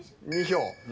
２票。